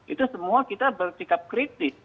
itu semua kita bersikap kritis